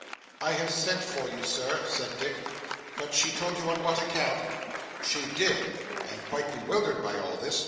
'I have sent for you, Sir,' said Dick 'but she told you on what account?' 'She did. I am quite bewildered by all this.